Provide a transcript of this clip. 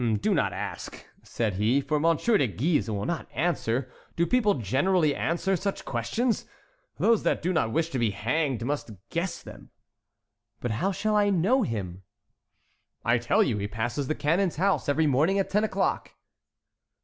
"Do not ask," said he; "for M. de Guise will not answer. Do people generally answer such questions? Those that do not wish to be hanged must guess them." "But how shall I know him?" "I tell you he passes the Canon's house every morning at ten o'clock."